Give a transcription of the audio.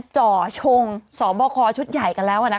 จ่อชงสบคชุดใหญ่กันแล้ว